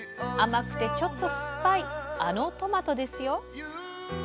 甘くてちょっと酸っぱいあのトマトですよ。